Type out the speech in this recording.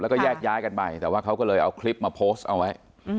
แล้วก็แยกย้ายกันไปแต่ว่าเขาก็เลยเอาคลิปมาโพสต์เอาไว้